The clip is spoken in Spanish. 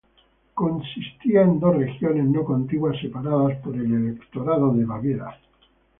Consistía de dos regiones no contiguas separadas por el Electorado de Baviera.